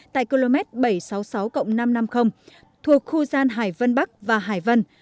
tại km bảy trăm sáu mươi sáu năm trăm năm mươi thuộc khu gian hải vân bắc và hải vân